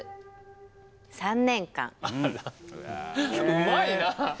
うまいなあ！